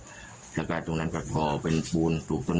อ่าแล้วกลายตรงนั้นก็พอเป็นภูมภูมิตล